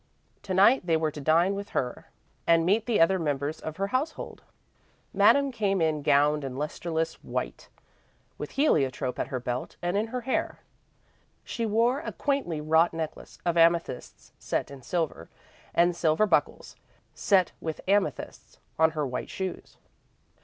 To night, they were to dine with her and meet the other members of her household. Madame came in gowned in lustreless white, with heliotrope at her belt and in her hair. She wore a quaintly wrought necklace of amethysts set in silver, and silver buckles, set with amethysts, on her white shoes.